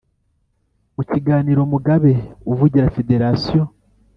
Mu kiganiro Mugabe uvugira federasiyo